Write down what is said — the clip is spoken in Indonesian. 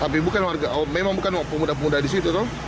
tapi bukan warga oh memang bukan pemuda pemuda di situ